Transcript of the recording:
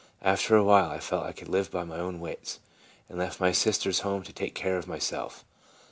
After a while I felt I could live by my own wits, and left my sister's home to take care of myself.